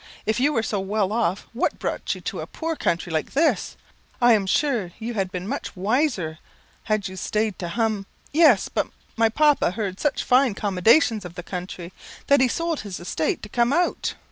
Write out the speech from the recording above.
if you were so well off, what brought you to a poor country like this? I am sure you had been much wiser had you staid to hum " "Yes. But my papa heard such fine commendations of the country, that he sold his estate to come out."